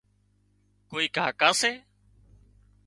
ڪوئي ڪاڪا سي